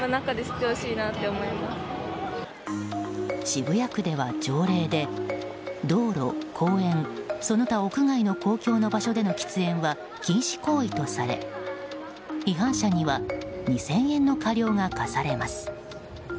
渋谷区では、条例で道路・公園その他屋外の公共の場所での喫煙は禁止行為とされ、違反者には２０００円の過料が科されます。